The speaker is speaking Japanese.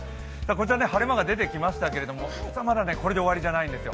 晴れ間が出てきましたけれども、実はまだこれで終わりじゃないんですよ。